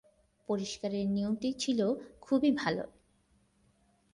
পরিষ্কারের নিয়মটি ছিল খুবই ভালো।